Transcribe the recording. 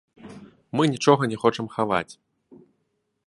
Мы нічога не хочам хаваць.